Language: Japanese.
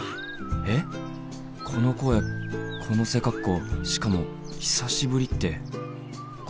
えっこの声この背格好しかも「久しぶり」ってこれがケン？